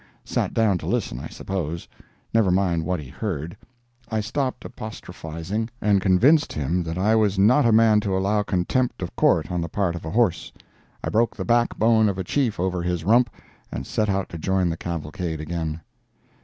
Sat down to listen, I suppose. Never mind what he heard. I stopped apostrophising and convinced him that I was not a man to allow contempt of Court on the part of a horse. I broke the back bone of a Chief over his rump and set out to join the cavalcade again.